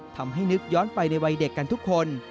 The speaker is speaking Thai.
ทำให้นึกย้อนไปในวัยเด็กกันทุกคน